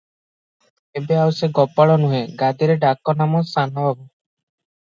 ଏବେ ଆଉ ସେ ଗୋପାଳ ନୁହେଁ, ଗାଦିରେ ଡାକନାମ ସାନ ବାବୁ ।